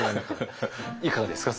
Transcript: いかがですか？